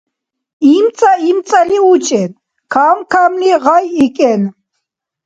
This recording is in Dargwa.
ИмцӀа-имцӀали учӀен, кам-камли гъайикӀен.